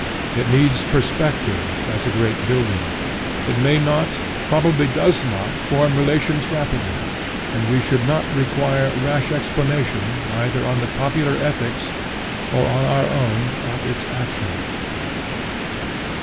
It needs perspective, as a great building. It may not, probably does not, form relations rapidly; and we should not require rash explanation, either on the popular ethics, or on our own, of its action.